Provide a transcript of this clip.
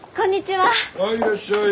はいいらっしゃい！